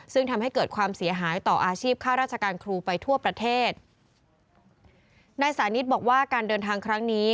ซึ่งทำให้เกิดความเสียหายต่ออาชีพค่าราชการครูไปทั่วประเทศนายสานิทบอกว่าการเดินทางครั้งนี้